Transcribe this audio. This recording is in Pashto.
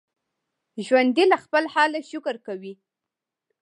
ژوندي له خپل حاله شکر کوي